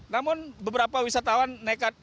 namun beberapa wisatawan nekat